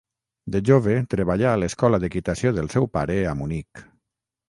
De jove treballà a l'escola d'equitació del seu pare a Munic.